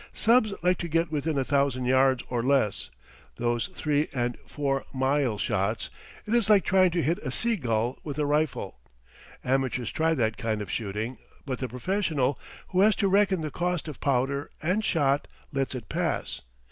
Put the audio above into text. Subs like to get within a thousand yards or less. Those three and four mile shots it is like trying to hit a sea gull with a rifle. Amateurs try that kind of shooting, but the professional, who has to reckon the cost of powder and shot, lets it pass.